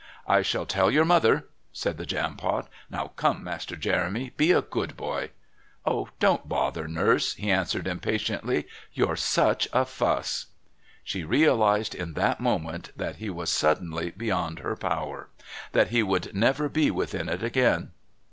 "I shall tell your mother," said the Jampot. "Now come, Master Jeremy, be a good boy." "Oh, don't bother, Nurse," he answered impatiently. "You're such a fuss." She realised in that moment that he was suddenly beyond her power, that he would never be within it again.